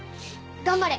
頑張れ。